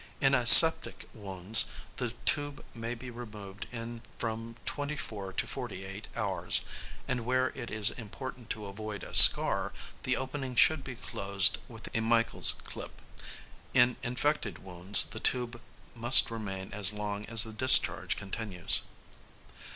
In aseptic wounds the tube may be removed in from twenty four to forty eight hours, and where it is important to avoid a scar, the opening should be closed with a Michel's clip; in infected wounds the tube must remain as long as the discharge continues.